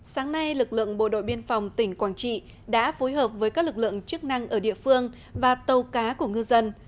sáng nay lực lượng bộ đội biên phòng tỉnh quảng trị đã phối hợp với các lực lượng chức năng ở địa phương và tàu cá của ngư dân